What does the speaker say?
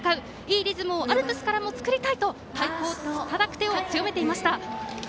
いいリズムでアルプスからも作りたいと太鼓をたたく手を強めていました。